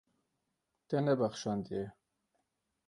Te nebexşandiye.